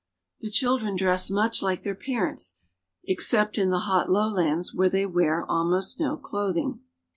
The children dress much like their parents, except in the hot lowlands, where they wear almost no clothing.